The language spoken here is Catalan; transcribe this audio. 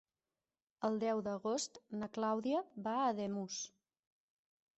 El deu d'agost na Clàudia va a Ademús.